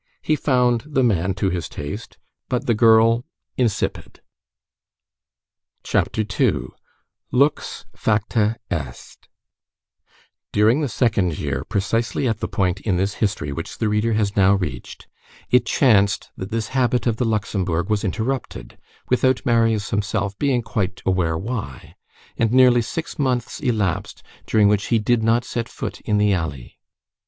He found the man to his taste, but the girl insipid. CHAPTER II—LUX FACTA EST During the second year, precisely at the point in this history which the reader has now reached, it chanced that this habit of the Luxembourg was interrupted, without Marius himself being quite aware why, and nearly six months elapsed, during which he did not set foot in the alley.